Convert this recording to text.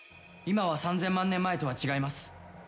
今は３，０００万年前とは違います！